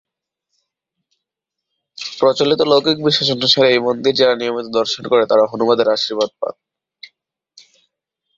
প্রচলিত লৌকিক বিশ্বাস অনুসারে, এই মন্দির যাঁরা নিয়মিত দর্শন করেন, তারা হনুমানের আশীর্বাদ পান।